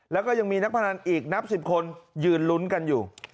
แล้วก็ยังมีนักพนันอีกนับ๑๐คนยืนลุ้นกันอยู่